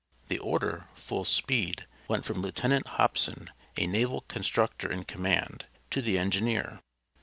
The order "Full speed!" went from Lieutenant Hobson, a naval constructor in command, to the engineer.